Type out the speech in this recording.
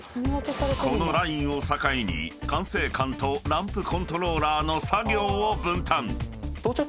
［このラインを境に管制官とランプコントローラーの作業を分担］